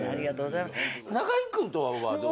中居君とはどう。